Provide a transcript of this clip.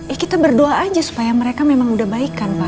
ya kita berdoa aja supaya mereka memang udah baikan pa